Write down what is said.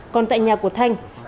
còn tại nhà của thanh